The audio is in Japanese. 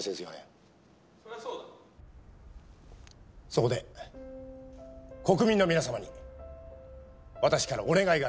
そこで国民の皆様に私からお願いがあります。